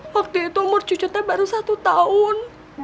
waktu itu umur cucu teh baru satu tahun